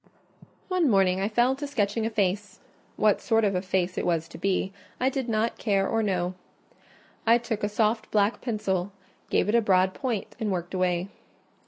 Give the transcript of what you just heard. One morning I fell to sketching a face: what sort of a face it was to be, I did not care or know. I took a soft black pencil, gave it a broad point, and worked away.